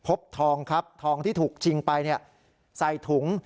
ทองครับทองที่ถูกชิงไปใส่ถุง